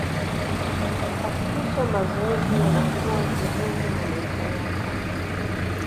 hakikisha mazoezi yanakuwa sehemu ya maisha yako